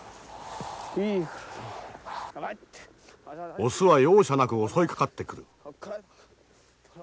オスは容赦なく襲いかかってくる。